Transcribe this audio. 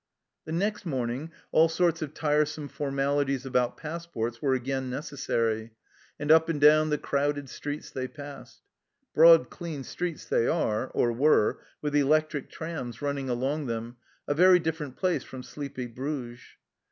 The next morning all sorts of tiresome formali ties about passports were again necessary, and up and down the crowded streets they passed. Broad clean streets they are or were with electric trams running along them, a very different place from sleepy Bruges